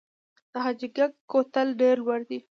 د حاجي ګک کوتل ډیر لوړ دی